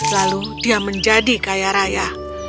lalu dia menjadi kaya raya